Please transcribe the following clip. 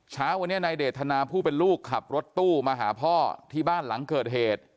เช้าวันนี้นายเดทนาผู้เป็นลูกขับรถตู้มาหาพ่อที่บ้านหลังเกิดเหตุ